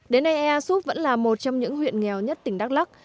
đến nay air soup vẫn là một trong những huyện nghèo nhất tỉnh đắk lắc